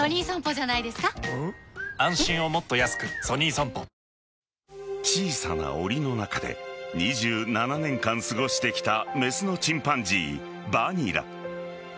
サントリー小さなおりの中で２７年間過ごしてきたメスのチンパンジー・バニラ。